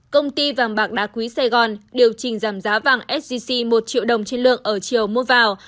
công ty vàng bạc đá quý sài gòn điều chỉnh giảm giá vàng sgc một triệu đồng trên lượng ở chiều mua vào